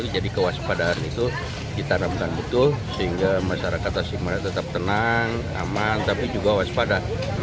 jadi kewaspadaan itu ditanamkan betul sehingga masyarakat tasikmalaya tetap tenang aman tapi juga waspada